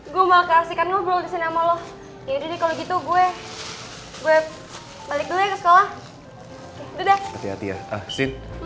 lo mau bua nggak ah